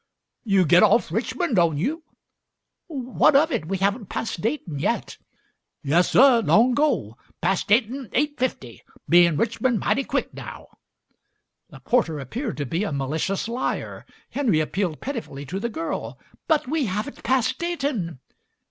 "You get off Richmon', don't you?" "What of it? We haven't passed Dayton yet." "Yessuh, long 'go. Pass' Dayton eight fifty. Be in Richmon' mighty quick now." The porter appeared to be a malicious liar. Henry appealed pitifully to the girl. "But we haven't passed Dayton?"